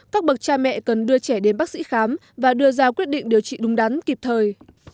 các bậc cha mẹ cần đưa trẻ đến bác sĩ khám và đưa ra quyết định điều trị đúng đắn kịp thời